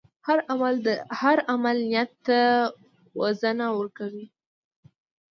هر عمل ته نیت وزن ورکوي.